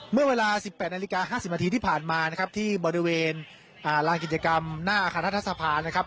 เมื่อเวลา๑๘นาฬิกา๕๐นาทีที่ผ่านมานะครับที่บริเวณลานกิจกรรมหน้าอาคารรัฐสภานะครับ